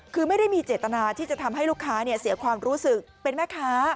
คือไม่ได้มีเจตนาที่จะทำให้ลูกค้าเสียความรู้สึกเป็นแม่ค้า